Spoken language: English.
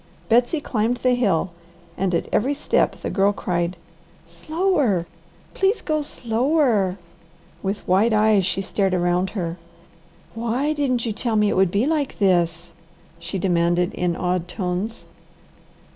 Betsy climbed the hill and at every step the Girl cried, "Slower! please go slower!" With wide eyes she stared around her. "WHY DIDN'T YOU TELL ME IT WOULD BE LIKE THIS?" she demanded in awed tones.